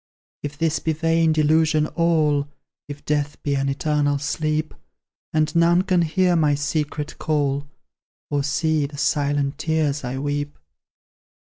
If this be vain delusion all, If death be an eternal sleep, And none can hear my secret call, Or see the silent tears I weep!